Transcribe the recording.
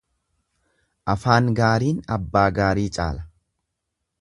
Afaan gaariin abbaa gaarii caala.